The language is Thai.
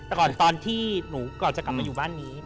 แต่ก่อนตอนที่หนูก่อนจะกลับมาอยู่บ้านนี้